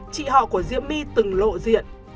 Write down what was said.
chị họ của diễm my từng lộ diện